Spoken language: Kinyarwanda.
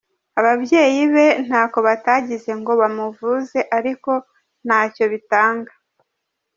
Ababyeyi be ntako batagize ngo bamuvuze ariko ntacyo bitanga.